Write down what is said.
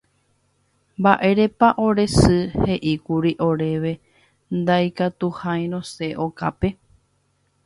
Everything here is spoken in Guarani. Mba'érepa ore sy he'íkuri oréve ndaikatuiha rosẽ okápe